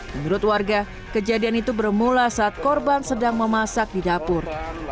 menurut warga kejadian itu bermula saat korban sedang memasak di dapur